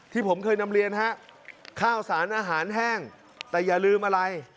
ที่ผมเคยนำเรียนฮะข้าวสารอาหารแห้งแต่อย่าลืมอะไร